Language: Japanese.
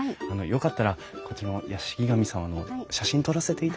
よかったらこっちの屋敷神様の写真撮らせていただいても。